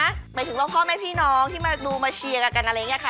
หมายถึงว่าพ่อแม่พี่น้องที่มาดูมาเชียร์กันอะไรอย่างนี้ค่ะ